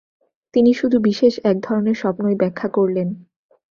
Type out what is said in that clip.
তিনি শুধু বিশেষ একধরনের স্বপ্নই ব্যাখ্যা করলেন।